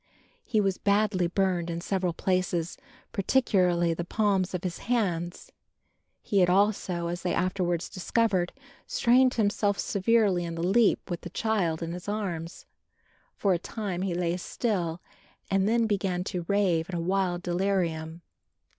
He was badly burned in several places, particularly the palms of his hands; he had also, as they afterwards discovered, strained himself severely in the leap with the child in his arms. For a time he lay still and then began to rave in wild delirium.